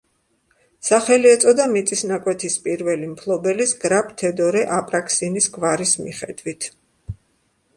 სახელი ეწოდა მიწის ნაკვეთის პირველი მფლობელის გრაფ თედორე აპრაქსინის გვარის მიხედვით.